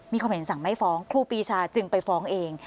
มีความเห็นสั่งไม่ฟ้องครูปีชาจึงไปฟ้องเอง